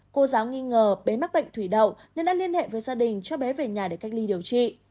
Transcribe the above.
cô giáo nghi ngờ bé mắc bệnh thủy đậu nên đã liên hệ với gia đình cho bé về nhà để cách ly điều trị